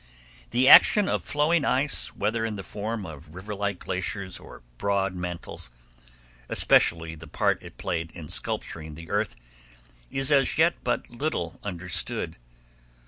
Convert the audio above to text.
The action of flowing ice, whether in the form of river like glaciers or broad mantles, especially the part it played in sculpturing the earth, is as yet but little understood.